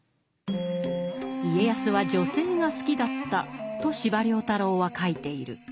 家康は女性が好きだったと司馬太郎は書いている。